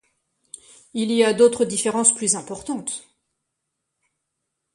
Il y a d’autres différences plus importantes.